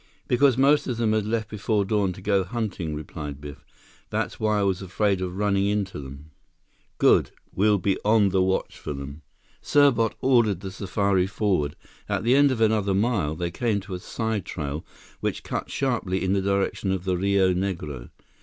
"Because most of them had left before dawn to go hunting," replied Biff. "That's why I was afraid of running into them." "Good. We'll be on the watch for them." Serbot ordered the safari forward. At the end of another mile, they came to a side trail, which cut sharply in the direction of the Rio Negro.